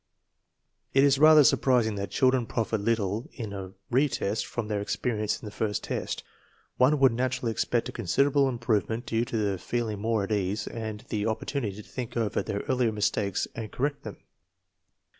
It is rather surprising that children profit little in a re test from their experience in the first test. One would naturally expect a considerable improvement due to their feeling more at ease and to the opportu nity to think over their earlier mistakes and correct them.